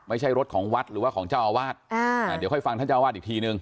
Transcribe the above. ไม่ใช่รถของวัดหรือว่าของเจ้าอาวาสอ่าเดี๋ยวค่อยฟังท่านเจ้าวาดอีกทีนึง